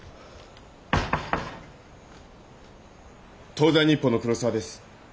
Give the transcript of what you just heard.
東西日報の黒沢です。